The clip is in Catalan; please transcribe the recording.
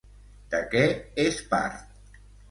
De què és part?